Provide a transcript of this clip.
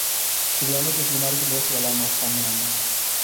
شریانوں کی اس بیماری کی بہت سی علامات سامنے آئی ہیں